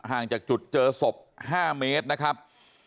ห่างจากจุดเจอศพ๕เมตรนะครับ